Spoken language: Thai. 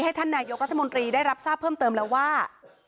ท่านนายกรัฐมนตรีได้รับทราบเพิ่มเติมแล้วว่า